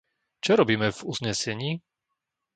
Čo robíme v uznesení?